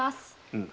うん。